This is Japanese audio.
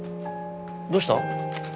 どうした？